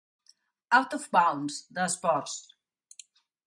"Out of Bounds" de Sports.